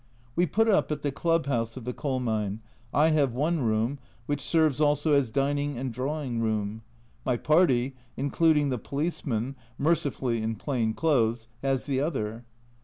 We put up at the Club house of the coal mine. I have one room, which serves also as dining and drawing room ; my party, including the policeman (mercifully in plain clothes), has the other.